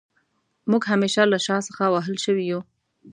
موږ همېشه له شا څخه وهل شوي يو